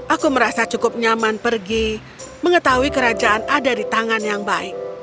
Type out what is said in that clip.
aku merasa cukup nyaman pergi mengetahui kerajaan ada di tangan yang baik